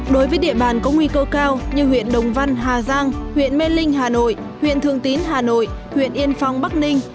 đối với địa bàn có nguy cơ cao như huyện đồng văn hà giang huyện mê linh hà nội huyện thường tín hà nội huyện yên phong bắc ninh